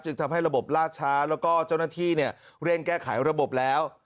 ทำให้ระบบล่าช้าแล้วก็เจ้าหน้าที่เร่งแก้ไขระบบแล้ว